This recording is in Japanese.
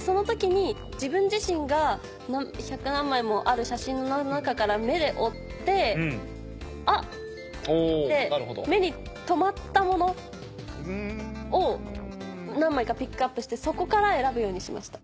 その時に自分自身が１００何枚もある写真の中から目で追って「あ！」って目に留まったものを何枚かピックアップしてそこから選ぶようにしました。